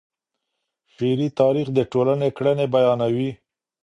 شعري تاریخ د ټولني کړنې بیانوي.